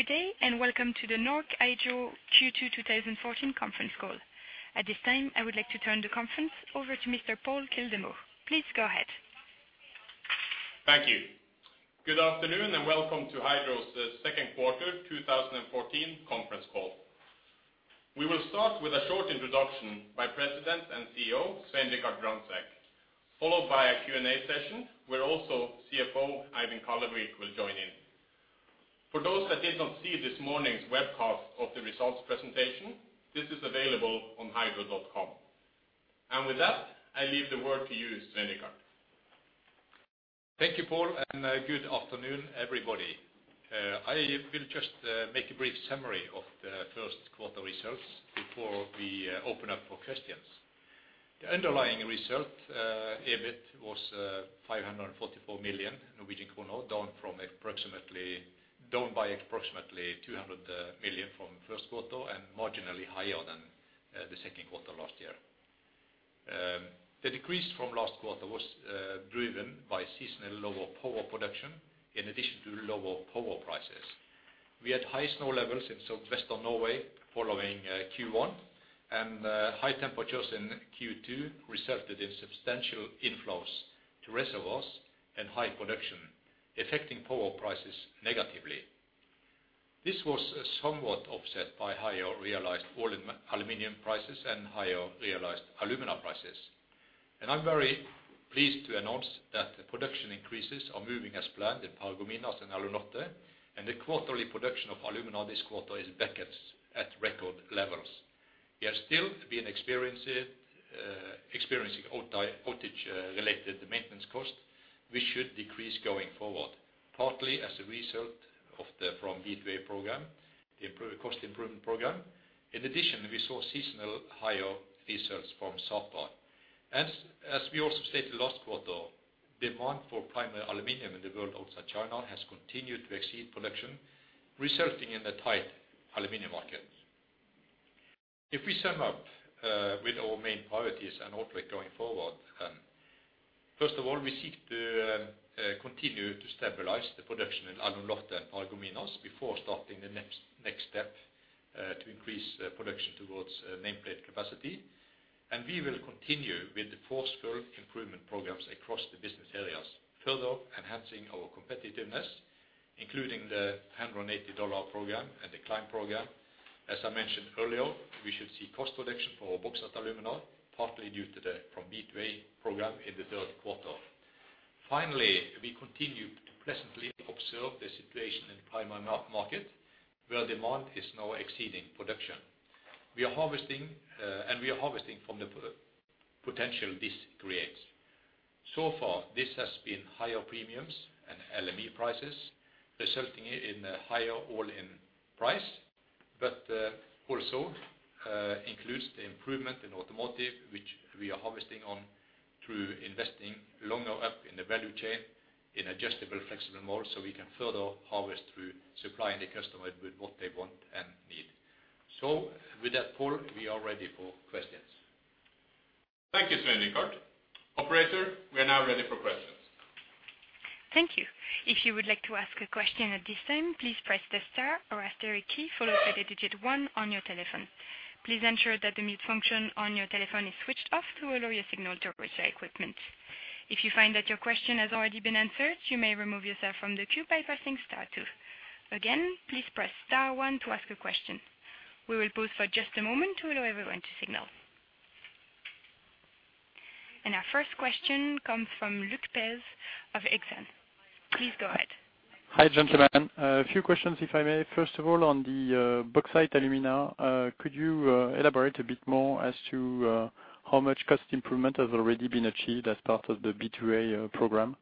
Good day and welcome to the Norsk Hydro Q2 2014 conference call. At this time, I would like to turn the conference over to Mr. Pål Kildemo. Please go ahead. Thank you. Good afternoon, and welcome to Hydro's Q2 2014 conference call. We will start with a short introduction by President and CEO Svein Richard Brandtzæg, followed by a Q&A session where also CFO Eivind Kallevik will join in. For those that did not see this morning's webcast of the results presentation, this is available on hydro.com. With that, I leave the word to you, Svein Richard. Thank you, Pål, and good afternoon, everybody. I will just make a brief summary of the first quarter results before we open up for questions. The underlying result, EBIT, was 544 million, down by approximately 200 million from Q1 and marginally higher than the Q2 last year. The decrease from last quarter was driven by seasonal lower power production in addition to lower power prices. We had high snow levels in southwestern Norway following Q1, and high temperatures in Q2 resulted in substantial inflows to reservoirs and high production, affecting power prices negatively. This was somewhat offset by higher realized oil and aluminum prices and higher realized alumina prices. I'm very pleased to announce that the production increases are moving as planned in Paragominas and Alunorte, and the quarterly production of alumina this quarter is back at record levels. We are still experiencing outage related maintenance costs, which should decrease going forward, partly as a result of the From B to A program, the cost improvement program. In addition, we saw seasonal higher results from Sapa. As we also stated last quarter, demand for primary aluminum in the world outside China has continued to exceed production, resulting in a tight aluminum market. If we sum up with our main priorities and outlook going forward, first of all, we seek to continue to stabilize the production in Alunorte and Paragominas before starting the next step to increase production towards nameplate capacity. We will continue with the forceful improvement programs across the business areas, further enhancing our competitiveness, including the $180 program and the Climb program. As I mentioned earlier, we should see cost reduction for our Bauxite & Alumina, partly due to the From B to A program in the third quarter. Finally, we continue to pleasantly observe the situation in the primary market, where demand is now exceeding production. We are harvesting from the potential this creates. So far, this has been higher premiums and LME prices, resulting in a higher all-in price, but also includes the improvement in automotive, which we are harvesting on through investing longer up in the value chain in adjustable flexible models so we can further harvest through supplying the customer with what they want and need. With that, Pål, we are ready for questions. Thank you, Svein Richard. Operator, we are now ready for questions. Thank you. If you would like to ask a question at this time, please press the star or asterisk key followed by the digit one on your telephone. Please ensure that the mute function on your telephone is switched off to allow your signal to reach our equipment. If you find that your question has already been answered, you may remove yourself from the queue by pressing star two. Again, please press star one to ask a question. We will pause for just a moment to allow everyone to signal. Our first question comes from Luc Pez of Exane. Please go ahead. Hi, gentlemen. A few questions, if I may. First of all, on the bauxite alumina, could you elaborate a bit more as to how much cost improvement has already been achieved as part of the B2A program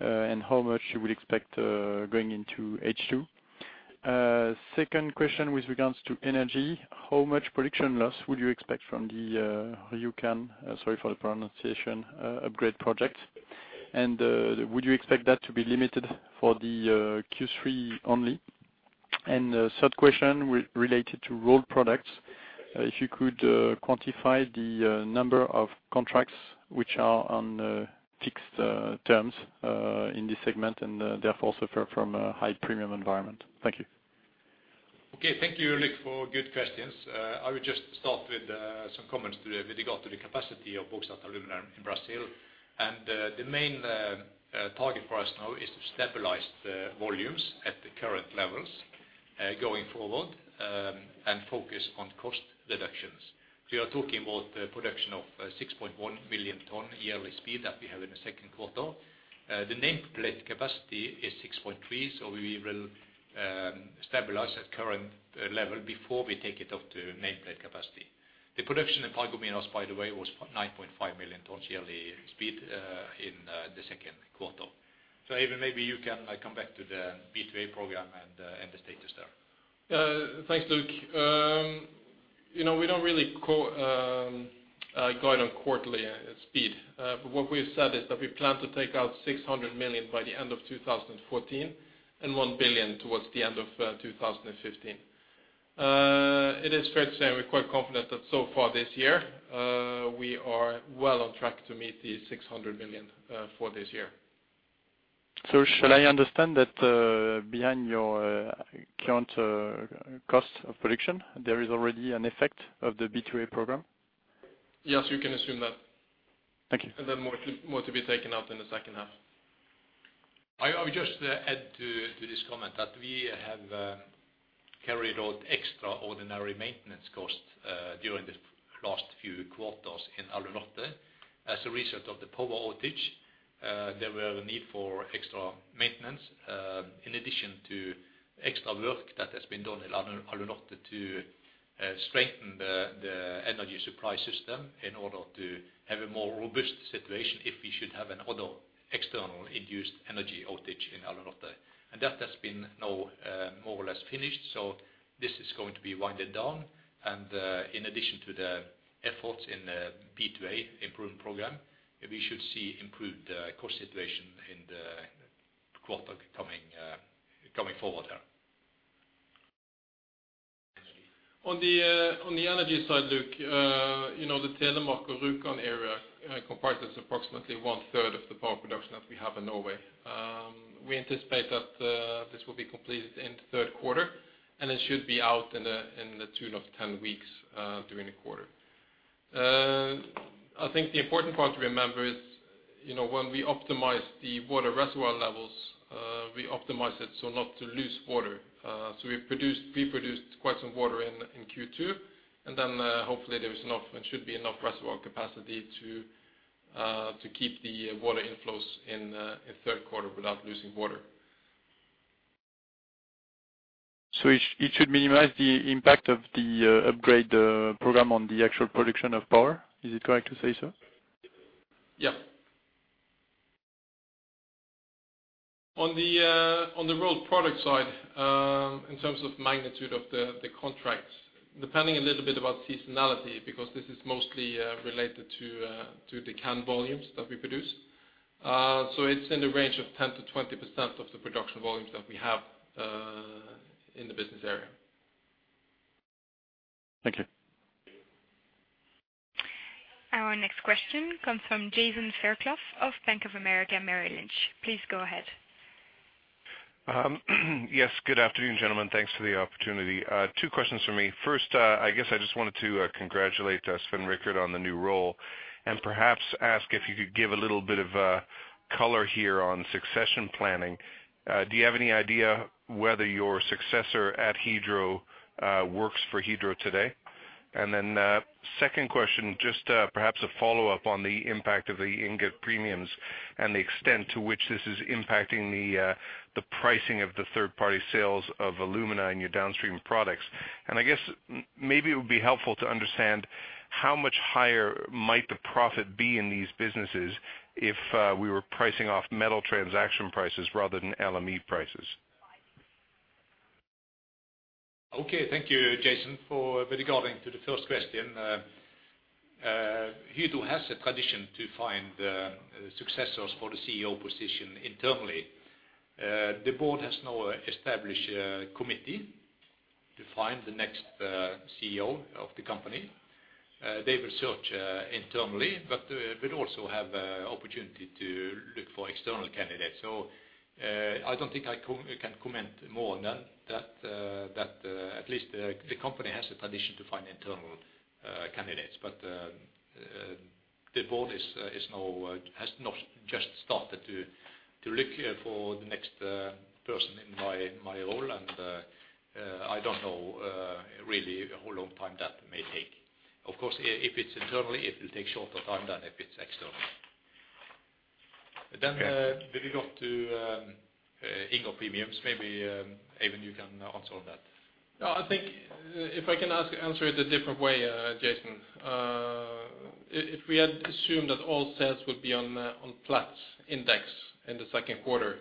and how much you would expect going into H2? Second question with regard to energy, how much production loss would you expect from the Rjukan, sorry for the pronunciation, upgrade project? Would you expect that to be limited to the Q3 only? Third question related to rolled products, if you could quantify the number of contracts which are on fixed terms in this segment and therefore suffer from a high premium environment. Thank you. Okay. Thank you, Luc, for good questions. I will just start with some comments with regard to the capacity of bauxite & alumina in Brazil. The main target for us now is to stabilize the volumes at the current levels going forward and focus on cost reductions. You are talking about the production of 6,100,000 tons yearly speed that we have in the Q2. The nameplate capacity is 6.3, so we will stabilize at current level before we take it up to nameplate capacity. The production in Paragominas, by the way, was 9,500,000 tons yearly speed in the second quarter. Eivind, maybe you can come back to the B2A program and the status there. Thanks, Luc. You know, we don't really guide on quarterly basis. What we've said is that we plan to take out 600 million by the end of 2014 and 1 billion towards the end of 2015. It is fair to say we're quite confident that so far this year, we are well on track to meet 600 million for this year. Shall I understand that, behind your current cost of production, there is already an effect of the B2A program? Yes, you can assume that. Thank you. More to be taken out in the second half. I would just add to this comment that we have carried out extraordinary maintenance costs during the last few quarters in Alunorte. As a result of the power outage, there were a need for extra maintenance in addition to extra work that has been done in Alunorte to strengthen the energy supply system in order to have a more robust situation if we should have another externally induced energy outage in Alunorte. That has been now more or less finished. This is going to be wound down. In addition to the efforts in B2A improvement program, we should see improved cost situation in the quarter coming forward there. On the energy side, Luc, you know, the Telemark and Rjukan area comprises approximately 1/3 of the power production that we have in Norway. We anticipate that this will be completed in the Q3, and it should be out to the tune of 10 weeks during the quarter. I think the important part to remember is, you know, when we optimize the water reservoir levels, we optimize it so not to lose water. We pre-produced quite some water in Q2, and then hopefully there is enough and should be enough reservoir capacity to keep the water inflows in Q3 without losing water. It should minimize the impact of the upgrade program on the actual production of power. Is it correct to say so? On the rolled product side, in terms of magnitude of the contracts, depending a little bit on seasonality, because this is mostly related to the can volumes that we produce. It's in the range of 10%-20% of the production volumes that we have in the business area. Thank you. Our next question comes from Jason Fairclough of Bank of America Merrill Lynch. Please go ahead. Yes, good afternoon, gentlemen. Thanks for the opportunity. Two questions from me. First, I guess I just wanted to congratulate Svein Richard on the new role and perhaps ask if you could give a little bit of color here on succession planning. Do you have any idea whether your successor at Hydro works for Hydro today? Second question, just perhaps a follow-up on the impact of the ingot premiums and the extent to which this is impacting the pricing of the third-party sales of alumina in your downstream products. I guess maybe it would be helpful to understand how much higher might the profit be in these businesses if we were pricing off metal transaction prices rather than LME prices. Okay. Thank you, Jason. With regard to the first question, Hydro has a tradition to find successors for the CEO position internally. The board has now established a committee to find the next CEO of the company. They will search internally, but will also have opportunity to look for external candidates. I don't think I can comment more than that, at least the company has a tradition to find internal candidates. The board has now just started to look for the next person in my role. I don't know really how long time that may take. Of course, if it's internally, it will take shorter time than if it's external. Okay. We go to ingot premiums. Maybe Eivind, you can answer on that. No, I think if I can answer it a different way, Jason. If we had assumed that all sales would be on Platts index in the second quarter,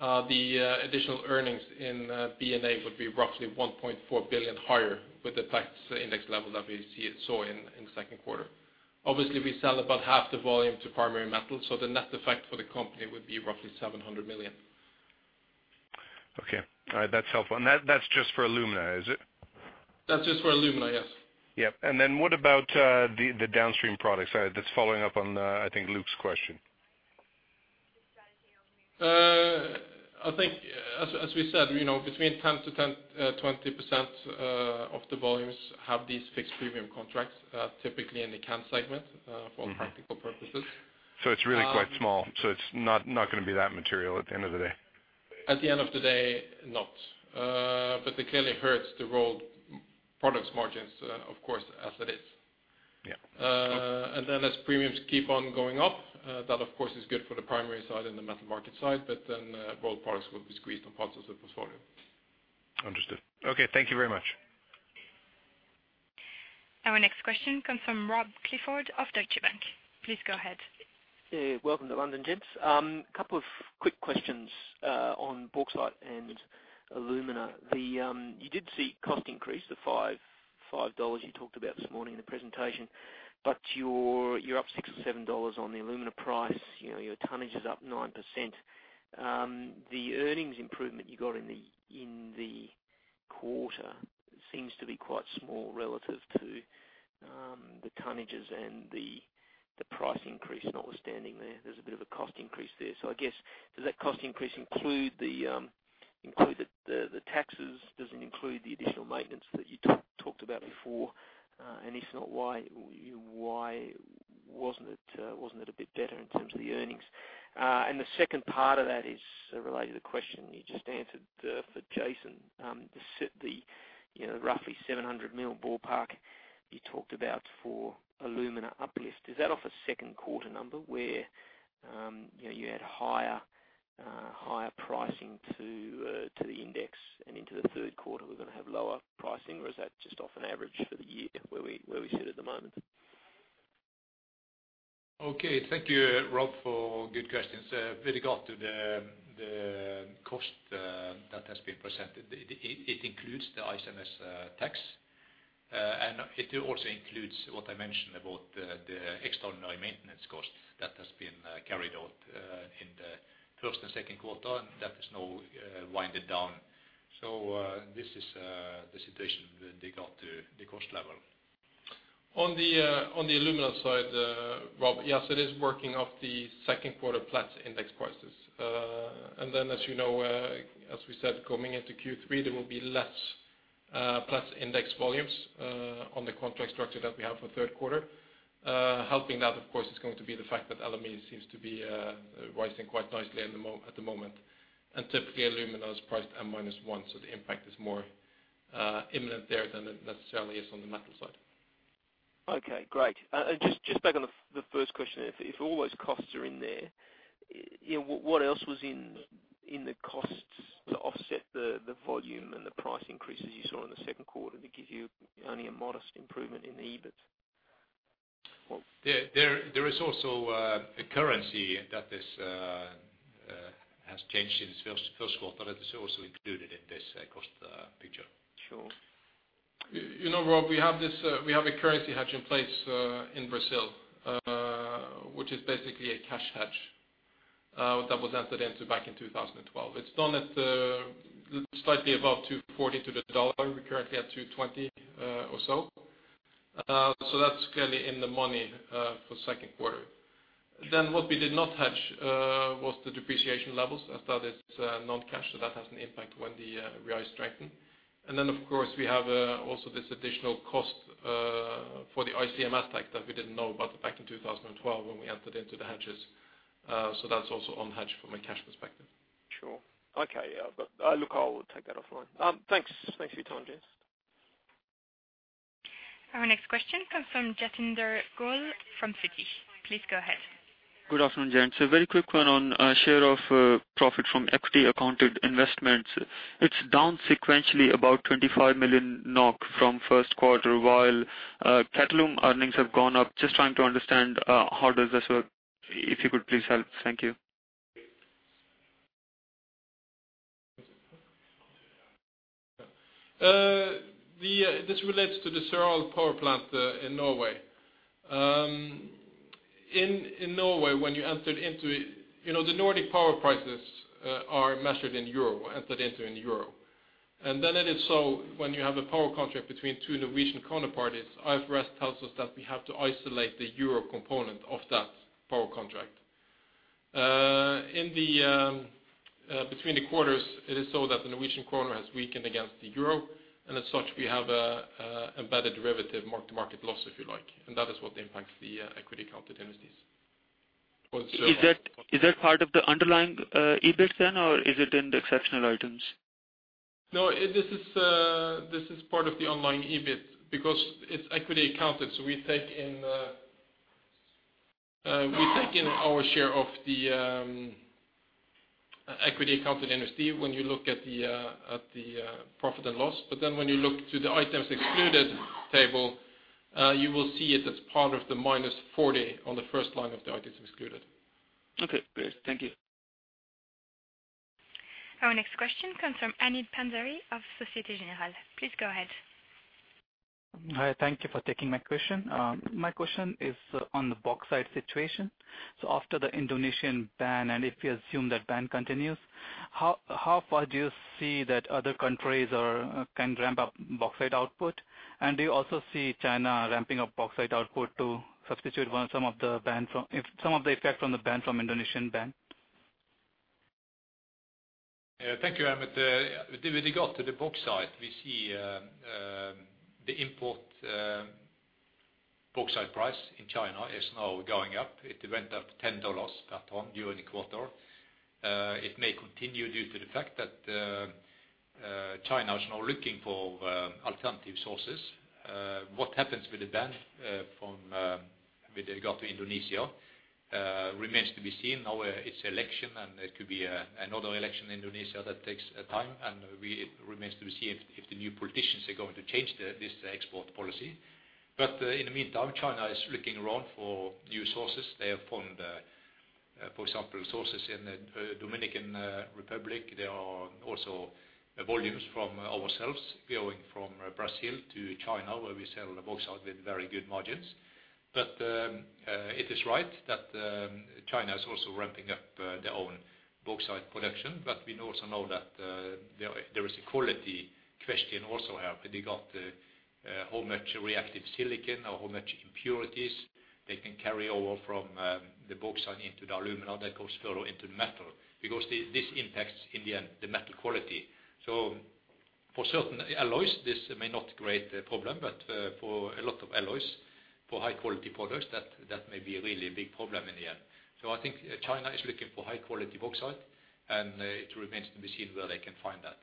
the additional earnings in B&A would be roughly 1.4 billion higher with the Platts index level that we saw in the Q2. Obviously, we sell about half the volume to primary metal, so the net effect for the company would be roughly 700 million. Okay. All right. That's helpful. That's just for alumina, is it? That's just for alumina, yes. Yeah. What about the downstream products? That's following up on, I think Luc's question. I think as we said, you know, between 10%-20% of the volumes have these fixed premium contracts, typically in the can segment. Mm-hmm For practical purposes. It's really quite small. It's not gonna be that material at the end of the day. At the end of the day, not. It clearly hurts the rolled products margins, of course, as it is. Yeah. As premiums keep on going up, that of course is good for the primary side and the metal market side. Both products will be squeezed on parts of the portfolio. Understood. Okay, thank you very much. Our next question comes from Rob Clifford of Deutsche Bank. Please go ahead. Hey, welcome to London, gents. A couple of quick questions on bauxite and alumina. You did see cost increase of $5 you talked about this morning in the presentation, but you're up $6 or $7 on the alumina price. You know, your tonnage is up 9%. The earnings improvement you got in the quarter seems to be quite small relative to the tonnages and the price increase notwithstanding there. There's a bit of a cost increase there. I guess, does that cost increase include the taxes? Does it include the additional maintenance that you talked about before? And if not, why wasn't it a bit better in terms of the earnings? The second part of that is related to the question you just answered for Jason. You know, roughly 700 million ballpark you talked about for alumina uplift. Is that off a Q2 number where, you know, you had higher pricing to the index, and into the third quarter we're gonna have lower pricing, or is that just off an average for the year where we sit at the moment? Okay, thank you, Rob, for good questions. With regard to the cost that has been presented, it includes the ICMS tax. It also includes what I mentioned about the extraordinary maintenance costs that has been carried out in the Q1 and Q2, and that is now wound down. This is the situation with regard to the cost level. On the alumina side, Rob, yes, it is working off the Q2 Platts index prices. As you know, as we said, coming into Q3, there will be less index volumes on the contract structure that we have for Q3. Helping that of course is going to be the fact that LME seems to be rising quite nicely at the moment. Typically, alumina is priced at -1, so the impact is more immediate there than it necessarily is on the metal side. Okay, great. Just back on the first question, if all those costs are in there, you know, what else was in the costs to offset the volume and the price increases you saw in the Q2 that give you only a modest improvement in the EBIT? There is also a currency that has changed since Q1 that is also included in this cost picture. Sure. You know, Rob, we have a currency hedge in place in Brazil, which is basically a cash hedge that was entered into back in 2012. It's done at slightly above 2.40 to the dollar. We're currently at 2.20 or so. That's clearly in the money for Q2. What we did not hedge was the depreciation levels, as that is non-cash, so that has an impact when the real strengthen. Of course, we have also this additional cost for the ICMS tax that we didn't know about back in 2012 when we entered into the hedges. That's also unhedged from a cash perspective. Sure. Okay, yeah. Look, I'll take that offline. Thanks for your time, gents. Our next question comes from Jatinder Goel from Citi. Please go ahead. Good afternoon, gents. A very quick one on share of profit from equity accounted investments. It's down sequentially about 25 million NOK from Q1, while Qatalum earnings have gone up. Just trying to understand how does this work, if you could please help. Thank you. This relates to the Søral power plant in Norway. In Norway, when you entered into it, you know, the Nordic power prices are measured in euro, entered into in euro. Then it is so when you have a power contract between two Norwegian counterparties, IFRS tells us that we have to isolate the euro component of that power contract. Between the quarters, it is so that the Norwegian krone has weakened against the euro, and as such, we have a better derivative mark-to-market loss, if you like. That is what impacts the equity accounted entities. Is that part of the underlying EBIT then, or is it in the exceptional items? No, this is part of the ongoing EBIT because it's equity accounted. We take in our share of the equity accounted entity when you look at the profit and loss. When you look to the items excluded table, you will see it as part of the -40 on the first line of the items excluded. Okay, great. Thank you. Our next question comes from Anindya Panduranga of Société Générale. Please go ahead. Hi, thank you for taking my question. My question is on the bauxite situation. After the Indonesian ban, and if you assume that ban continues, how far do you see that other countries can ramp up bauxite output? Do you also see China ramping up bauxite output to substitute for some of the effect from the Indonesian ban? Yeah, thank you, Anindya. With regard to the bauxite, we see the import bauxite price in China is now going up. It went up $10 per ton during the quarter. It may continue due to the fact that China is now looking for alternative sources. What happens with the ban with regard to Indonesia remains to be seen. Now it's election, and it could be another election in Indonesia that takes time, and it remains to be seen if the new politicians are going to change this export policy. In the meantime, China is looking around for new sources. They have found, for example, sources in the Dominican Republic. There are also volumes from ourselves going from Brazil to China, where we sell the bauxite with very good margins. It is right that China is also ramping up their own bauxite production. We also know that there is a quality question also here. They got how much reactive silicon or how much impurities they can carry over from the bauxite into the aluminum that goes further into the metal. Because this impacts in the end the metal quality. For certain alloys, this may not create a problem, for a lot of alloys, for high quality products, that may be a really big problem in the end. I think China is looking for high quality bauxite, and it remains to be seen where they can find that.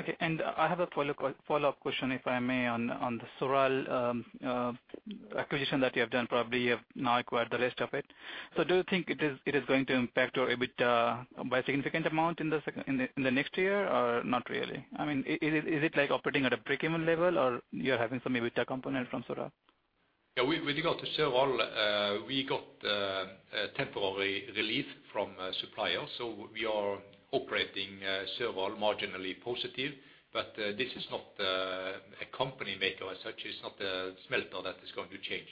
Okay. I have a follow-up question, if I may, on the Søral acquisition that you have done, probably you have now acquired the rest of it. So do you think it is going to impact your EBITDA by a significant amount in the next year, or not really? I mean, is it like operating at a breakeven level or you're having some EBITDA component from Søral? Yeah, with regard to Søral, we got a temporary relief from suppliers, so we are operating Søral marginally positive. This is not a company maker as such. It's not a smelter that is going to change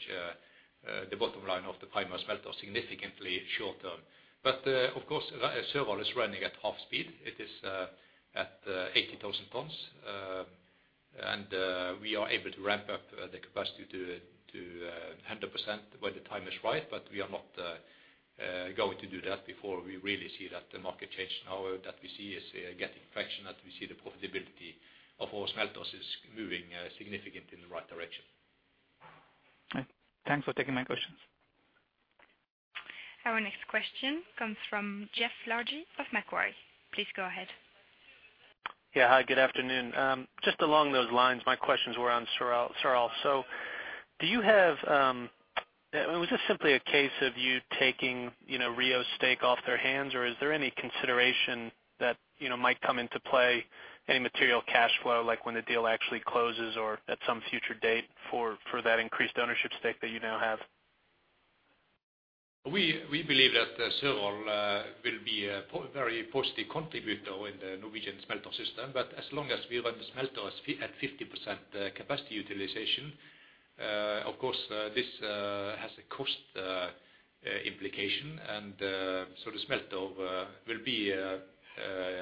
the bottom line of the primary smelter significantly short term. Of course, Søral is running at half speed. It is at 80,000 tons. We are able to ramp up the capacity to 100% when the time is right, but we are not going to do that before we really see that the market change now that we see is getting traction, that we see the profitability of our smelters is moving significantly in the right direction. All right. Thanks for taking my questions. Our next question comes from Jeff Largey of Macquarie. Please go ahead. Yeah. Hi, good afternoon. Just along those lines, my questions were on Søral. Was this simply a case of you taking, you know, Rio's stake off their hands, or is there any consideration that, you know, might come into play, any material cash flow, like when the deal actually closes or at some future date for that increased ownership stake that you now have? We believe that Søral will be a very positive contributor in the Norwegian smelter system. As long as we run the smelters at 50% capacity utilization, of course, this has a cost implication. The smelter will be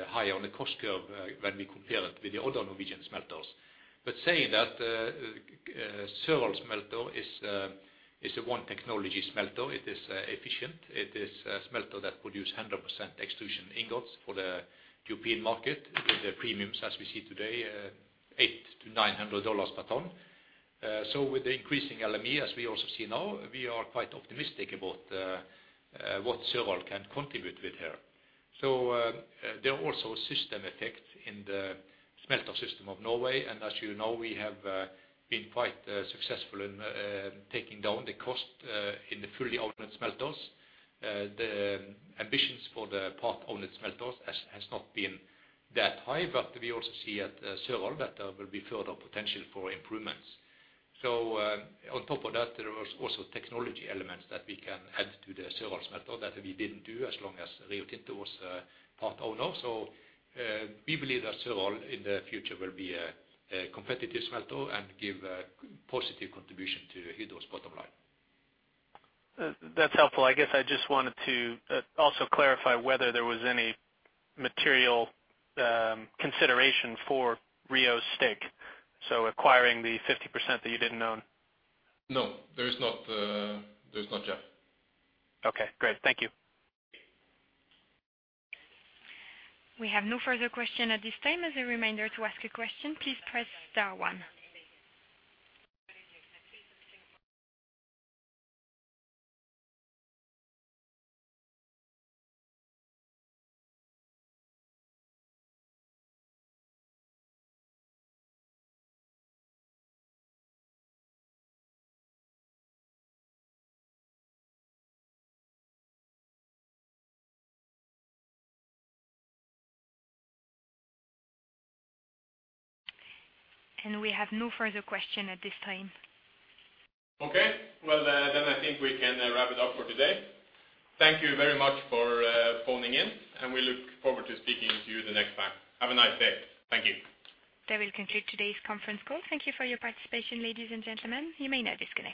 higher on the cost curve when we compare it with the other Norwegian smelters. Saying that, Søral smelter is a one technology smelter. It is efficient. It is a smelter that produce 100% extrusion ingots for the European market with the premiums, as we see today, $800-$900 per ton. With the increasing LME, as we also see now, we are quite optimistic about what Søral can contribute with here. There are also system effects in the smelter system of Norway. As you know, we have been quite successful in taking down the cost in the fully owned smelters. The ambitions for the part-owned smelters has not been that high, but we also see at Søral that there will be further potential for improvements. On top of that, there was also technology elements that we can add to the Søral smelter that we didn't do as long as Rio Tinto was a part owner. We believe that Søral in the future will be a competitive smelter and give a positive contribution to Hydro's bottom line. That's helpful. I guess I just wanted to also clarify whether there was any material consideration for Rio Tinto's stake, so acquiring the 50% that you didn't own. No, there is not, Jeff. Okay, great. Thank you. We have no further question at this time. As a reminder to ask a question, please press star one. We have no further question at this time. Okay. Well, then I think we can wrap it up for today. Thank you very much for phoning in, and we look forward to speaking to you the next time. Have a nice day. Thank you. That will conclude today's conference call. Thank you for your participation, ladies and gentlemen. You may now disconnect.